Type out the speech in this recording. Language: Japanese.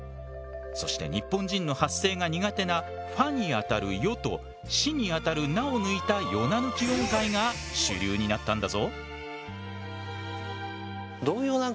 そして日本人の発声が苦手なファにあたるヨとシにあたるナを抜いたヨナ抜き音階が主流になったんだぞ。